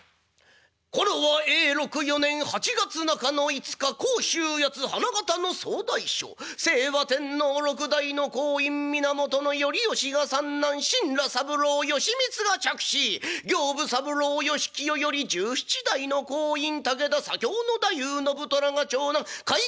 頃は永禄４年８月中のいつか甲州八花形の総大将清和天皇六代の後胤源頼義が三男新羅三郎義光が嫡子刑部三郎義清より十七代の後胤武田左京大夫信虎が長男甲斐